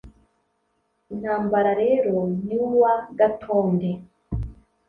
intambara rero y’uwa gatonde,